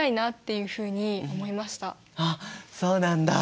あっそうなんだ。